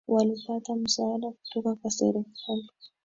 Walipata msaada kutoka kwa serikali